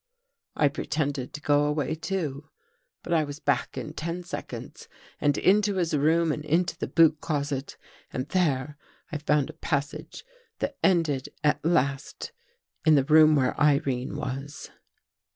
" I pretended to go away, too, but I was back in ten seconds and into his room and into the boot closet and there I found a passage that ended at last in the room where Irene was."